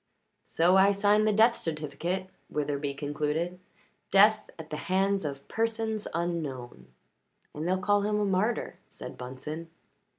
"So I signed the death certificate," Witherbee concluded. "Death at the hands of persons unknown." "And they'll call him a martyr," said Bunsen.